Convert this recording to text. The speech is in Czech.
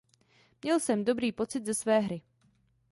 Měl jsem dobrý pocit ze své hry.